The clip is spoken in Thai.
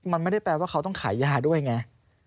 มันไม่ได้แปลว่าเขาต้องขายยาด้วยไง